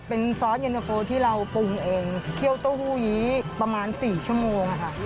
เป็นซอสเย็นตะโฟที่เราปรุงเองเคี่ยวเต้าหู้ยี้ประมาณ๔ชั่วโมงค่ะ